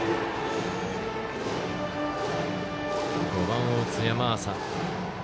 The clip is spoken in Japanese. ５番を打つ山浅。